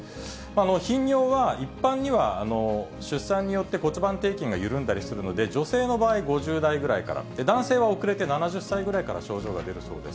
頻尿は、一般には出産によって骨盤底筋が緩んだりするので、女性の場合、５０代ぐらいから、男性は遅れて７０歳ぐらいから症状が出るそうです。